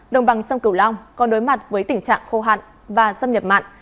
đồng bằng sông cửu long còn đối mặt với tình trạng khô hạn và xâm nhập mặn